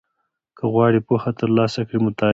• که غواړې پوهه ترلاسه کړې، مطالعه وکړه.